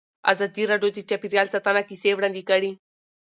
ازادي راډیو د چاپیریال ساتنه کیسې وړاندې کړي.